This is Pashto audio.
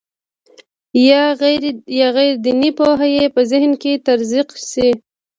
یا غیر دیني پوهه یې په ذهن کې تزریق شي.